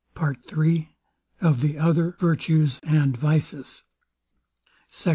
PART III OF THE OTHER VIRTUES AND VICES SECT.